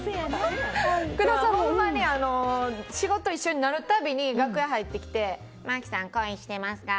ほんまに仕事一緒になるたびに楽屋入ってきて麻貴さん、恋してますか？